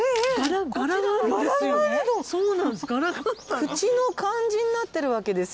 口の感じになってるわけですよ。